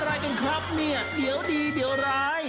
อะไรกันครับเนี่ยเดี๋ยวดีเดี๋ยวร้าย